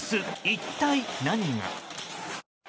一体何が？